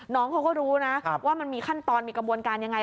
น้องเขาก็รู้นะว่ามันมีขั้นตอนมีกระบวนการยังไง